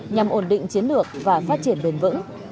nhằm ổn định chiến lược và phát triển bền vững